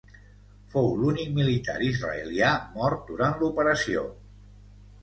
Fou l'únic militar israelià mort durant l'operació.